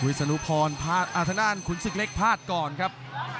วิศนุพรภาษาอาธนาคุณศึกเล็กภาษก่อนครับ